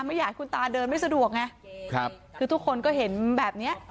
ไม่อยากให้คุณตาเดินไม่สะดวกไงครับคือทุกคนก็เห็นแบบเนี้ย